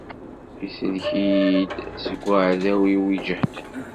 Isellek-iyi-d seg uɛdaw-iw iǧehden.